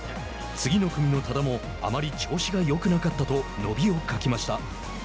次の組の多田も「あまり調子がよくなかった」と伸びを欠きました。